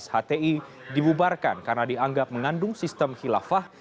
hti dibubarkan karena dianggap mengandung sistem khilafah